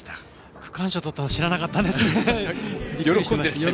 区間賞とったの知らなかったんですね。